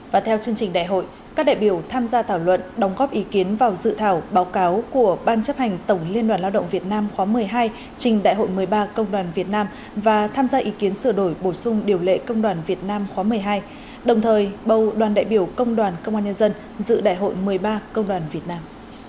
và theo chương trình đại hội các đại biểu tham gia thảo luận đóng góp ý kiến vào dự thảo báo cáo của ban chấp hành tổng liên đoàn lao động việt nam khóa một mươi hai trình đại hội một mươi ba công đoàn việt nam và tham gia ý kiến sửa đổi bổ sung điều lệ công đoàn việt nam khóa một mươi hai đồng thời bầu đoàn đại biểu công đoàn công an nhân dân dự đại hội một mươi ba công đoàn việt nam